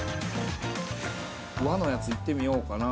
◆和のやつ、いってみようかな。